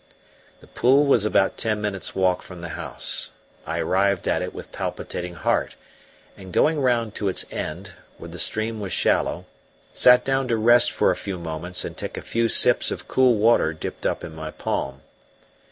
The pool was about ten minutes' walk from the house; I arrived at it with palpitating heart, and going round to its end, where the stream was shallow, sat down to rest for a few moments and take a few sips of cool water dipped up in my palm.